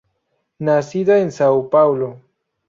Nacida en São Paulo.